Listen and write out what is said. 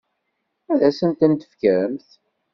Ad asent-ten-tefkemt?